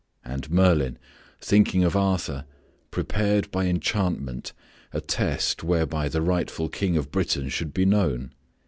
And Merlin, thinking of Arthur, prepared by enchantment a test whereby the rightful King of Britain should be known.